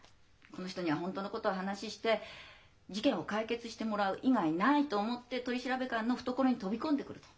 この人には本当のことを話して事件を解決してもらう以外ない」と思って取調官の懐に飛び込んでくると。